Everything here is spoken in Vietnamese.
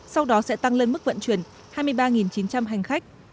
sau đó sẽ tăng lên mức vận chuyển hai mươi ba chín trăm linh hành khách